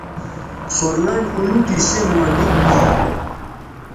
سور لنڈ اولوٹی سیئن مہ ڈوب گا